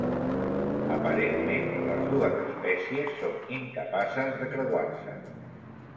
Aparentment les dues espècies són incapaces de creuar-se.